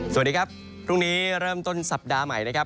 สวัสดีครับพรุ่งนี้เริ่มต้นสัปดาห์ใหม่นะครับ